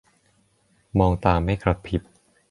มองตาไม่กะพริบ